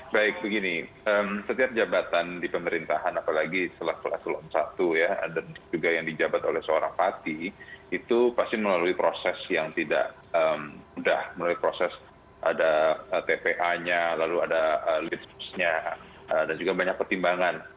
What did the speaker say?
baik begini setiap jabatan di pemerintahan apalagi setelah kelas satu ya dan juga yang dijabat oleh seorang pati itu pasti melalui proses yang tidak mudah melalui proses ada tpa nya lalu ada leads nya dan juga banyak pertimbangan